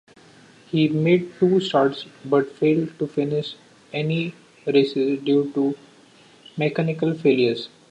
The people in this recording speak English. He made two starts but failed to finish any races due to mechanical failures.